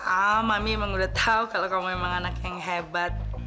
ah mami memang udah tahu kalau kamu memang anak yang hebat